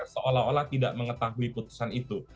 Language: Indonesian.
seolah olah tidak mengetahui putusan itu